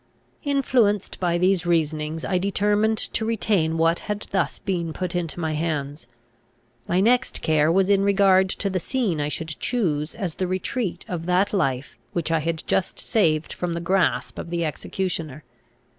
Influenced by these reasonings, I determined to retain what had thus been put into my hands. My next care was in regard to the scene I should choose, as the retreat of that life which I had just saved from the grasp of the executioner.